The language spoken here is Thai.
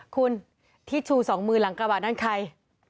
คุณที่ชู๒มือหลังกระบาดนั้นใคร